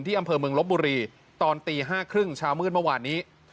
ที่อำเภอเมืองลบบุรีตอนตีห้าครึ่งเช้ามื้อนเมื่อวานนี้